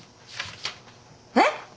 えっ？